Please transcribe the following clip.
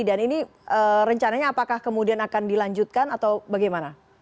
dan ini rencananya apakah kemudian akan dilanjutkan atau bagaimana